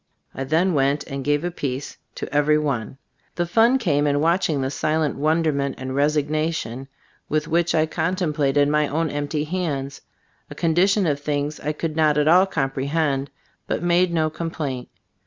I then went and gave a piece to every one. The fun came in watching the silent won derment and resignation with which I 26 ttbe Stots of Ab dbitoboob contemplated my own empty hands, a condition of things I could not at all comprehend, but made no complaint.